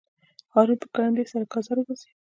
هارون په کرندي سره ګازر وباسي.